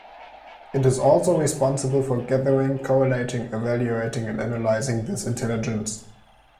It is also responsible for gathering, correlating, evaluating and analysing this intelligence.